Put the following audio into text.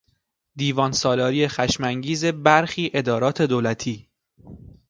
دیوان سالاری خشمانگیز برخی ادارات دولتی